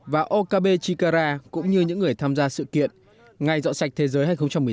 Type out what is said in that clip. và okabe chikara cũng như những người tham gia sự kiện ngày dọn sạch thế giới hai nghìn một mươi chín